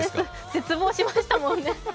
絶望しましたもんね。